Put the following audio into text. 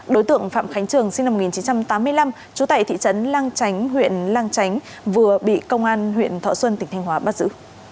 đối tượng phạm khánh trường sinh năm một nghìn chín trăm tám mươi năm trú tại thị trấn lang chánh huyện lang chánh vừa bị công an huyện thọ xuân tỉnh thanh hóa bắt giữ